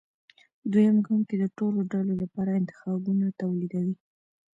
دویم ګام کې د ټولو ډلو لپاره انتخابونه توليدوي.